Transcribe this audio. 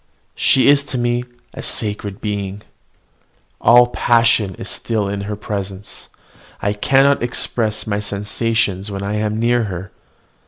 She is to me a sacred being. All passion is still in her presence: I cannot express my sensations when I am near her.